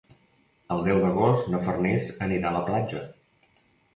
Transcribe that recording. El deu d'agost na Farners anirà a la platja.